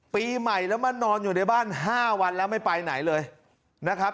ปีใหม่แล้วมานอนอยู่ในบ้าน๕วันแล้วไม่ไปไหนเลยนะครับ